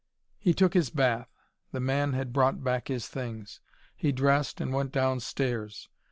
He took his bath: the man had brought back his things: he dressed and went downstairs.